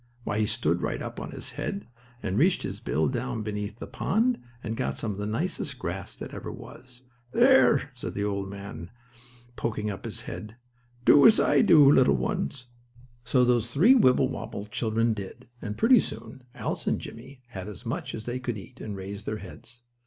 Why, he stood right up on his head, and reached his bill down beneath the pond, and got some of the nicest grass that ever was. "There," said the old gentleman duck, poking up his head, "do as I did, little ones." So those three Wibblewobble children did, and pretty soon, Alice and Jimmie had as much as they could eat, and raised their heads.